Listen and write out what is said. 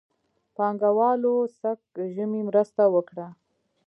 پانګهوالو سږ ژمی مرسته وکړه.